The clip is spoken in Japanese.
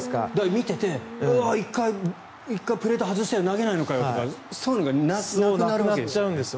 見ていて１回プレート外したよ投げないのかよってそういうのがなくなるんですよ。